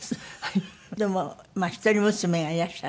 でも一人娘がいらっしゃる？